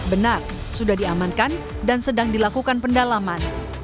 benar sudah diamankan dan sedang dilakukan pendalaman